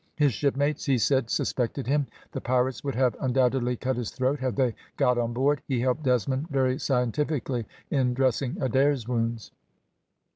His shipmates, he said, suspected him the pirates would have undoubtedly cut his throat had they got on board. He helped Desmond very scientifically in dressing Adair's wounds.